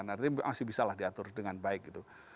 artinya masih bisa lah diatur dengan baik gitu